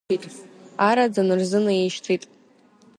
Араӡын рзынаишьҭит.